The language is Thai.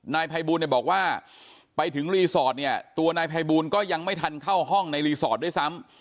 นายภัยบูลเนี่ยบอกว่าไปถึงรีสอร์ทเนี่ยตัวนายภัยบูลก็ยังไม่ทันเข้าห้องในรีสอร์ทด้วยซ้ำ